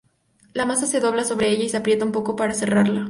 La masa se dobla sobre ella y se aprieta un poco para cerrarla.